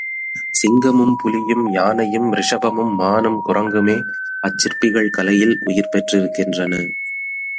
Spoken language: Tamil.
சிங்கமும் புலியும், யானையும் ரிஷபமும், மானும், குரங்குமே அச்சிற்பிகள் கலையில் உயிர் பெற்றிருக்கின்றன.